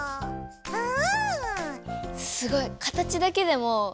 うん！